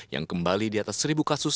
yang kembali di atas seribu kasus